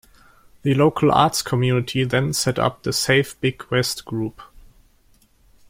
The local arts community then set up the Save Big West group.